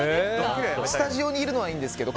スタジオにいるのはいいんですけど。